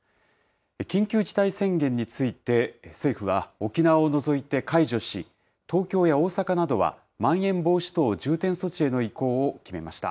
緊急事態宣言について、政府は沖縄を除いて解除し、東京や大阪などはまん延防止等重点措置への移行を決めました。